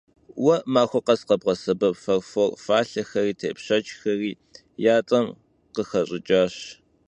Vue maxue khes khebğesebep farfor falhexeri têpşşeçxeri yat'ağuem khıxeş'ıç'aş.